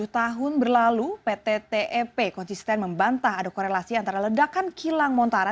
tujuh tahun berlalu pt tep konsisten membantah ada korelasi antara ledakan kilang montara